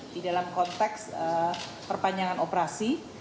di dalam konteks perpanjangan operasi